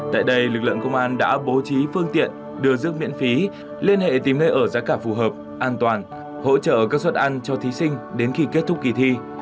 tại đây lực lượng công an đã bố trí phương tiện đưa rước miễn phí liên hệ tìm nơi ở giá cả phù hợp an toàn hỗ trợ các suất ăn cho thí sinh đến khi kết thúc kỳ thi